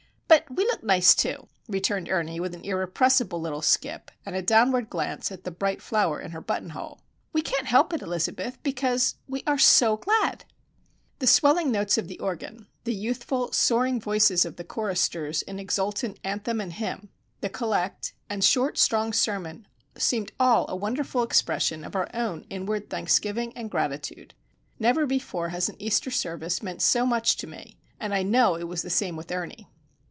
"But we look nice, too," returned Ernie, with an irrepressible little skip, and a downward glance at the bright flower in her button hole. "We can't help it, Elizabeth,—because, we are so glad!" The swelling notes of the organ, the youthful, soaring voices of the choristers, in exultant anthem and hymn, the collect, and short, strong sermon, seemed all a wonderful expression of our own inward thanksgiving and gratitude. Never before has an Easter service meant so much to me, and I know it was the same with Ernie.